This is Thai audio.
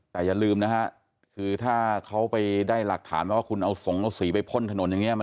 แต่อย่าลืมนะฮะคือถ้าเขาไปได้หลักฐานว่าคุณเอาสงเอาสีไปพ่นถนนอย่างนี้